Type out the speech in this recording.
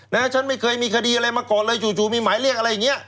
ฉันไม่เคยมีคดีอะไรมาก่อนเลยจู่มีหมายเรียกอะไรอย่างเงี้